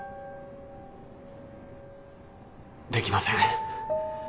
できません。